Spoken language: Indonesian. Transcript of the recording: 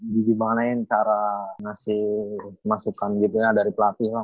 dibimanain cara ngasih masukan gitu ya dari pelatih